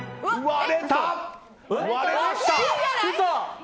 割れた！